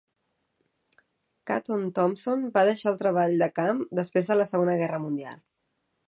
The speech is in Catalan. Caton Thompson va deixar el treball de camp després de la Segona Guerra Mundial.